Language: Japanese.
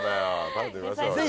食べてみましょうじゃあ。